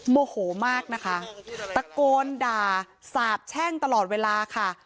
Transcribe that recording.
โมโหมากนะคะตะโกนด่าสาบแช่งตลอดเวลาค่ะ